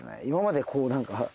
今までこう何か。